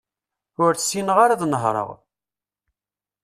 Ur ssineɣ ara ad nehreɣ.